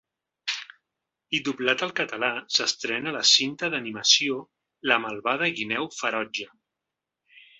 I doblat al català s’estrena la cinta d’animació La malvada guineu ferotge.